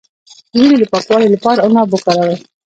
د وینې د پاکوالي لپاره عناب وکاروئ